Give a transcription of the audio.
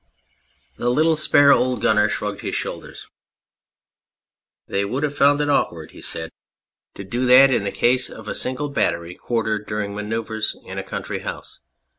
The little spare old gunner shrugged his shoulders. "They would have found it awkward," he said, "to 241 R On Anything do that in the case of a single battery quartered during manoeuvres in a country house.